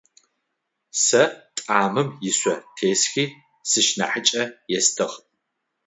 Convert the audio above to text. Сэ тӏамым ышъо тесхи, сшынахьыкӀэ естыгъ.